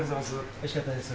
おいしかったです。